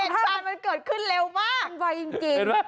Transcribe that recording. เห็นซานมันเกิดขึ้นเร็วมาก